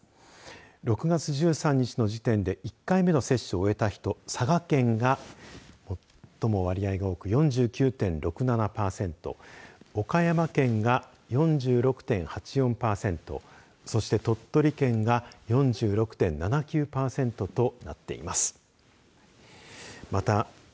６月１３日の時点で１回目の接種を終えた人は佐賀県が最も割合が多く４９．６７パーセント岡山県が４６．８４パーセントそして、鳥取県が４６．７９パーセントとなっています。